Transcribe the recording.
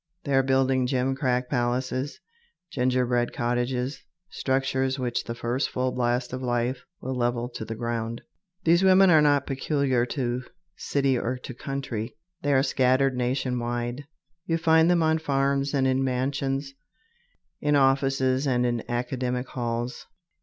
They are building gimcrack palaces, gingerbread cottages, structures which the first full blast of life will level to the ground. These women are not peculiar to city or to country. They are scattered nation wide. You find them on farms and in mansions, in offices and in academic halls.